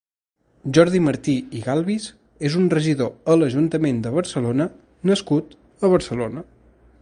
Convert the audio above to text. Jordi Martí i Galbis és un regidor a l'Ajuntament de Barcelona nascut a Barcelona.